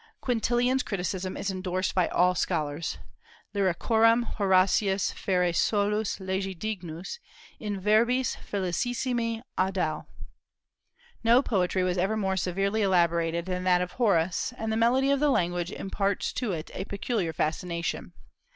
Quintilian's criticism is indorsed by all scholars, Lyricorum Horatius fere solus legi dignus, in verbis felicissime audax. No poetry was ever more severely elaborated than that of Horace, and the melody of the language imparts to it a peculiar fascination.